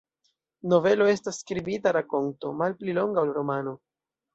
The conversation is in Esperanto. Novelo estas skribita rakonto, malpli longa ol romano.